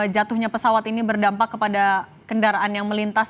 jatuhnya pesawat ini berdampak kepada kendaraan yang melintas